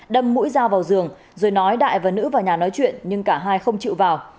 đâm mũi dao vào giường rồi nói đại và nữ vào nhà nói chuyện nhưng cả hai không chịu vào